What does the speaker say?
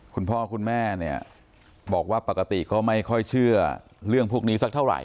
คุณพ่อคุณแม่เนี่ยบอกว่าปกติก็ไม่ค่อยเชื่อเรื่องพวกนี้สักเท่าไห